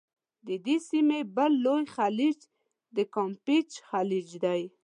د دې سیمي بل لوی خلیج د کامپېچ خلیج دی.